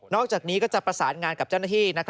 อกจากนี้ก็จะประสานงานกับเจ้าหน้าที่